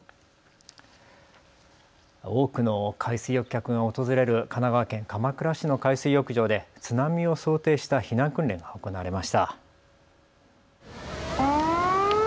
多くの海水浴客が訪れる神奈川県鎌倉市の海水浴場で津波を想定した避難訓練が行われました。